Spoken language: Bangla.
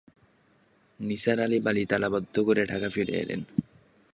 নিসার আলি বাড়ি তালাবন্ধ করে ঢাকা ফিরে এলেন।